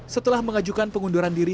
setelah mengajukan pengunduran diri